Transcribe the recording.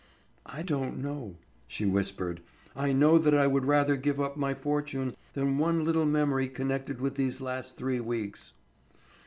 "I don't know," she whispered. "I know that I would rather give up my fortune than one little memory connected with these last three weeks."